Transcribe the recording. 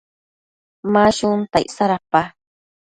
Ma shunta icsa dapa?